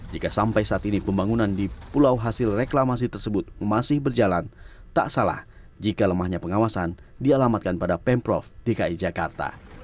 jika sampai saat ini pembangunan di pulau hasil reklamasi tersebut masih berjalan tak salah jika lemahnya pengawasan dialamatkan pada pemprov dki jakarta